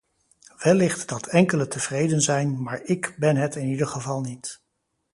Wellicht dat enkele tevreden zijn, maar ik ben het in ieder geval niet.